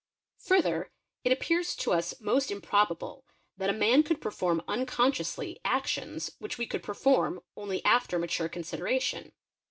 Further it appears to us most improbable that a man could perform unconsciously actions which we could perform only after mature con sideration.